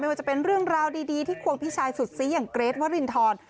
ว่าจะเป็นเรื่องราวดีที่ควงพี่ชายสุดซีอย่างเกรทวรินทร